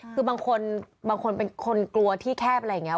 คือบางคนบางคนเป็นคนกลัวที่แคบอะไรอย่างนี้